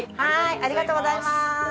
ありがとうございます。